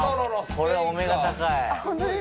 これはお目が高い。